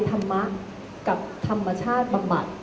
ทำมากับธรรมชาติบำมัด